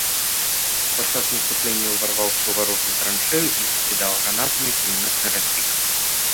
Падчас наступлення ўварваўся ў варожую траншэю і закідаў гранатамі кулямётны разлік.